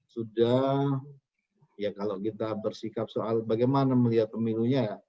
sudah ya kalau kita bersikap soal bagaimana melihat pemilunya ya